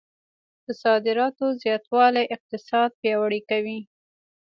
د صادراتو زیاتوالی اقتصاد پیاوړی کوي.